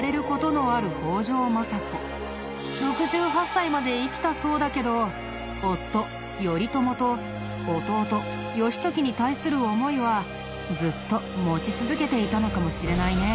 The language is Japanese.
６８歳まで生きたそうだけど夫頼朝と弟義時に対する思いはずっと持ち続けていたのかもしれないね。